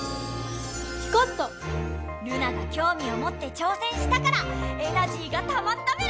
ルナがきょうみをもってちょうせんしたからエナジーがたまったメラ！